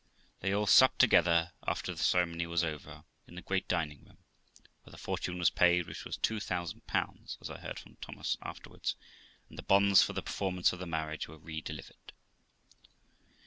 They all supped together, after the ceremony was over, in the great dining room, where the fortune was paid, which was 2000 (as I heard from Thomas afterwards), and the bonds for the performance of the marriage were redelivered.